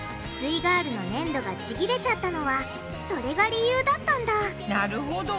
イガールのねんどがちぎれちゃったのはそれが理由だったんだなるほど！